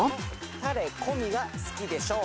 タレ込みが好きでしょう。